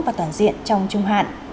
và toàn diện trong trung hạn